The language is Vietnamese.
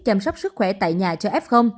chăm sóc sức khỏe tại nhà cho f